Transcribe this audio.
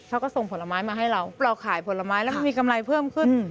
ส่งผลไม้มาให้เราเราขายผลไม้แล้วมันมีกำไรเพิ่มขึ้น